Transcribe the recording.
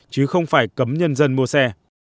chứ không phải cấm nhân dân mua xe